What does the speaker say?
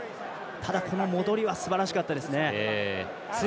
ただ、この戻りはすばらしかったですね。